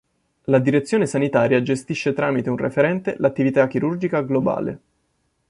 La direzione sanitaria gestisce tramite un referente l'attività chirurgica globale.